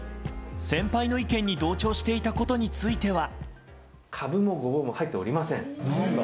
先輩の意見に同調していたことについては。